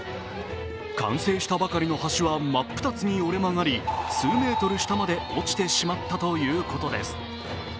完成したばかりの橋は、真っ二つに折れ曲がり、数メートル下まで落ちてしまったということです。